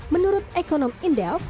menurut ekonom indelf